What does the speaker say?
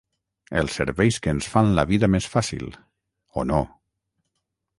Els serveis que ens fan la vida més fàcil. O no.